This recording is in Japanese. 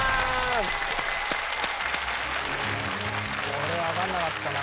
これはわかんなかったな。